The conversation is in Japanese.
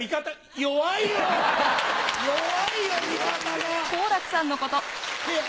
弱いよ、味方が。